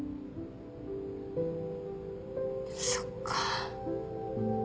そっか。